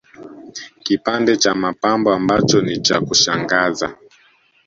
Kipande cha mapambo ambacho ni cha kushangaza